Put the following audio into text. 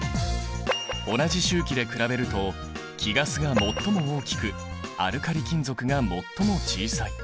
同じ周期で比べると貴ガスが最も大きくアルカリ金属が最も小さい。